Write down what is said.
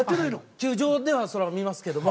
球場ではそら観ますけども。